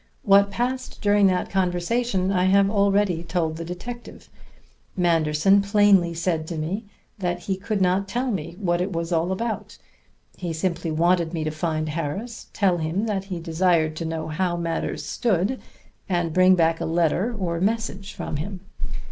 What passed during that conversation I have already told the detective. Manderson plainly said to me that he could not tell me what it was all about. He simply wanted me to find Harris, tell him that he desired to know how matters stood, and bring back a letter or message from him.